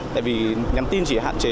tại vì nhắn tin chỉ hạn chế